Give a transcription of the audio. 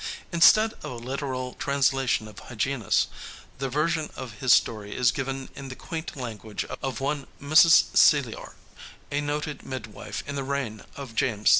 Instead of a literal translation of Hyginus, the version of his story is given in the quaint language of one Mrs. Celleor, a noted midwife in the reign of James II.